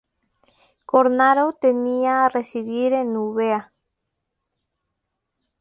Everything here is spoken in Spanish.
Cornaro tendía a residir en Eubea.